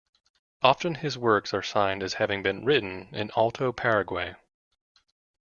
Often his works are signed as having been written in Alto Paraguay.